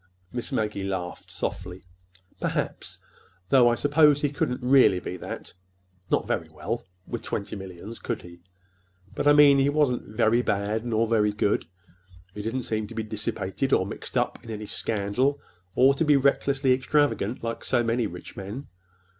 Miss Maggie laughed softly. "Perhaps—though I suppose he couldn't really be that—not very well—with twenty millions, could he? But I mean, he wasn't very bad, nor very good. He didn't seem to be dissipated, or mixed up in any scandal, or to be recklessly extravagant, like so many rich men.